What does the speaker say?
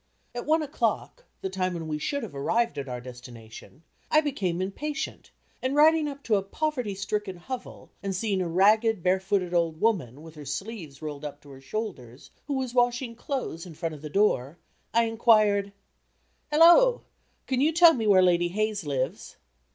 At one o'clock the time when we should have arrived at our destination I became impatient and riding up to a poverty stricken hovel and seeing a ragged, barefooted old woman, with her sleeves rolled up to her shoulders, who was washing clothes in front of the door, I inquired "Hallo! can you tell me where Lady Hayes lives?"